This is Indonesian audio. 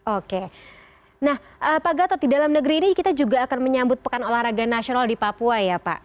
oke nah pak gatot di dalam negeri ini kita juga akan menyambut pekan olahraga nasional di papua ya pak